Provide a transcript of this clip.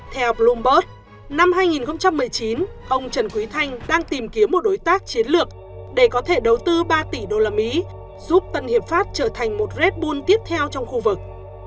theo bloomberg năm hai nghìn một mươi chín ông trần quý thanh đang tìm kiếm một đối tác chiến lược để có thể đầu tư ba tỷ usd giúp tân hiệp pháp trở thành một red bul tiếp theo trong khu vực